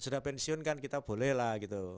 sudah pensiun kan kita boleh lah gitu